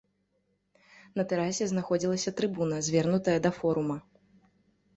На тэрасе знаходзілася трыбуна, звернутая да форума.